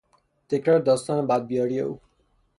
تکرار داستان بدبیاری او